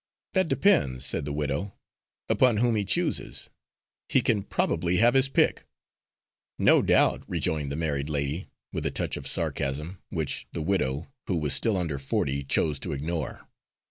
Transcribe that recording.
"That depends," said the widow, "upon whom he chooses. He can probably have his pick." "No doubt," rejoined the married lady, with a touch of sarcasm, which the widow, who was still under forty, chose to ignore.